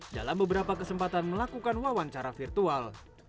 dalam beberapa kesempatan melakukan wawancara virtual